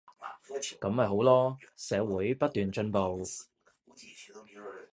噉咪好囉，社會不斷進步